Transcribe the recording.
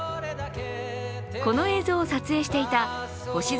この映像を撮影していた星空